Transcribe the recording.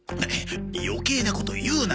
余計なこと言うな。